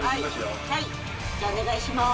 じゃあお願いします。